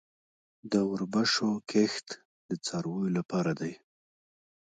د وربشو کښت د څارویو لپاره دی